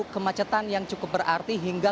kemacetan yang cukup berarti hingga